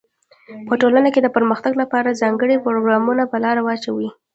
په ټولنه کي د پرمختګ لپاره ځانګړي پروګرامونه په لاره واچوی.